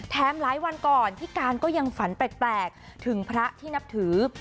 หลายวันก่อนพี่การก็ยังฝันแปลกถึงพระที่นับถือ